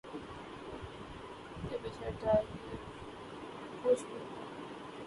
کہ بچھڑ جائے گی یہ خوش بو بھی